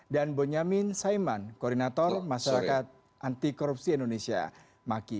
dan bonyamin saiman koordinator masyarakat anti korupsi indonesia maki